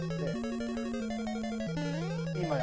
今や！